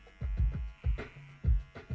kalau berjalan seru